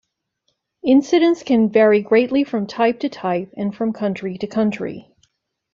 Incidence can vary greatly from type-to-type, and from country-to-country.